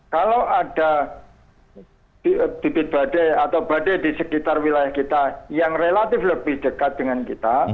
kalau ada bibit badai atau badai di sekitar wilayah kita yang relatif lebih dekat dengan kita